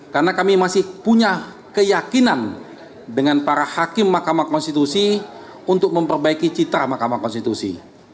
karena kami masih punya keyakinan dengan para hakim mahkamah konstitusi untuk memperbaiki citra mahkamah konstitusi